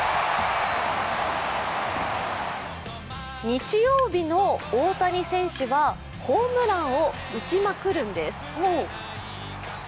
日曜日の大谷選手はホームランを打ちまくるんです。